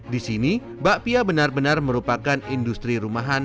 di sini bakpia benar benar merupakan industri rumahan